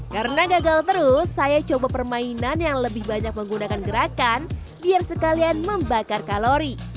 karena gagal terus saya coba permainan yang lebih banyak menggunakan gerakan biar sekalian membakar kalori